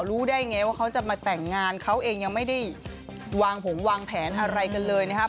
รู้ได้ไงว่าเขาจะมาแต่งงานเขาเองยังไม่ได้วางผงวางแผนอะไรกันเลยนะครับ